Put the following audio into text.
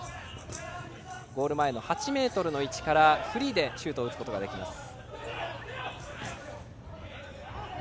ゴール前、８ｍの位置からフリーでシュートを打つことができます。